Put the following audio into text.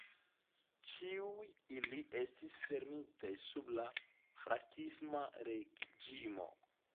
Ĉiuj ili estis fermitaj sub la frankisma reĝimo.